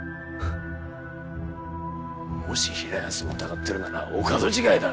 もし平安を疑ってるならお門違いだ。